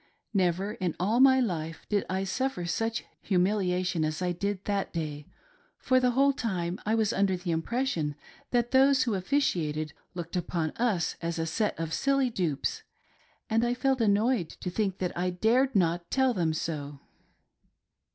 Never in 368 "WHAT DO you think of the endowments?" all my life did I suffer such humiliation as I did that day; for the whole time, I was under the impression that those who officiated looked upon us as a set of silly dupes, and I felt annoyed to think that I dared not tell them so.